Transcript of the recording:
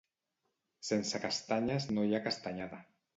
Sense castanyes no hi ha Castanyada.